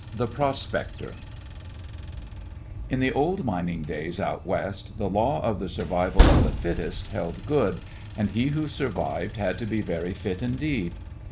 VI THE PROSPECTOR In the old mining days out West the law of the survival of the fittest held good, and he who survived had to be very fit indeed.